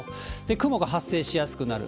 雲が発生しやすくなる。